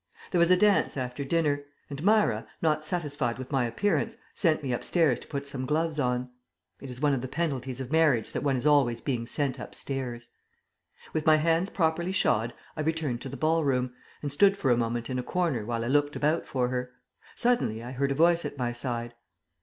There was a dance after dinner; and Myra, not satisfied with my appearance, sent me upstairs to put some gloves on. (It is one of the penalties of marriage that one is always being sent upstairs.) With my hands properly shod I returned to the ball room, and stood for a moment in a corner while I looked about for her. Suddenly I heard a voice at my side.